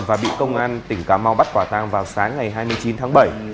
và bị công an tỉnh cà mau bắt quả tang vào sáng ngày hai mươi chín tháng bảy